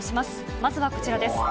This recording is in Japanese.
まずはこちらです。